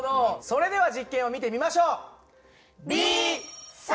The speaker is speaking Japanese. それでは実験を見てみましょう。